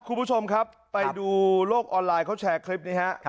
คุณผู้ชมครับไปดูโลกออนไลน์เขาแชร์คลิปนี้ฮะ